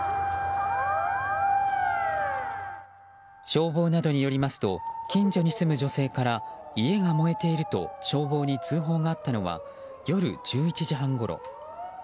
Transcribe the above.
消防などによりますと近所に住む女性から家が燃えていると消防に通報があったのは夜１１時半ごろ。